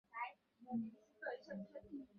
আমি ওটার ঘুরে আসার অপেক্ষা করছিলাম।